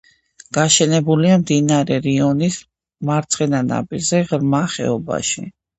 გაშენებულია მდინარე რიონის მარცხენა ნაპირზე, ღრმა ხეობაში.